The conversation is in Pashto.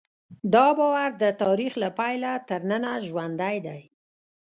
دا باور د تاریخ له پیله تر ننه ژوندی دی.